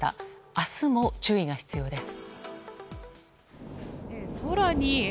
明日も注意が必要です。